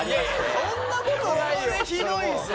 そんなことないよ。